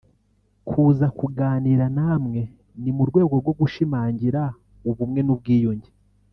Kuza kuganira namwe ni mu rwego rwo gushimangira ubumwe n’ubwiyunge